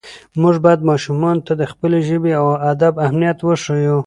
موږ باید ماشومانو ته د خپلې ژبې او ادب اهمیت وښیو